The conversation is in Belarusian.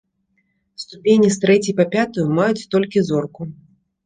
Ступені з трэцяй па пятую маюць толькі зорку.